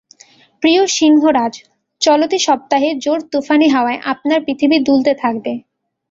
প্রিয় সিংহরাজ, চলতি সপ্তাহে জোর তুফানি হাওয়ায় আপনার পৃথিবী দুলতে থাকবে।